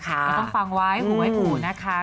อย่าต้องฟังไว้หรือหุ่นนะคะ